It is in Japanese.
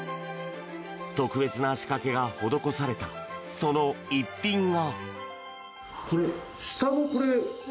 特別な仕掛けが施されたその逸品が。